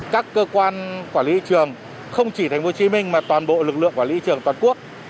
các cơ quan quản lý trường không chỉ thành phố hồ chí minh mà toàn bộ lực lượng quản lý trường toàn quốc